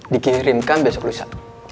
dikirimkan besok lusa